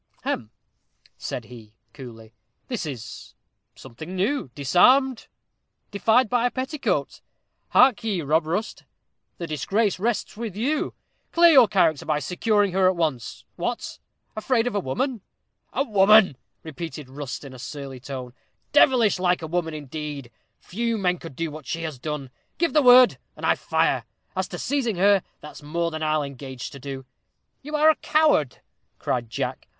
"Hem!" said he, coolly; "this is something new disarmed defied by a petticoat. Hark ye, Rob Rust, the disgrace rests with you. Clear your character, by securing her at once. What! afraid of a woman?" "A woman!" repeated Rust, in a surly tone; "devilish like a woman, indeed. Few men could do what she has done. Give the word, and I fire. As to seizing her, that's more than I'll engage to do." "You are a coward," cried Jack.